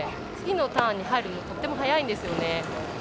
次のターンに入るのがとても早いんですね。